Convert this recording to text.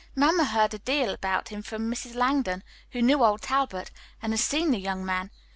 Mamma heard a deal about him from Mrs. Langdon, who knew old Talbot and has seen the young man.